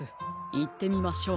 いってみましょう。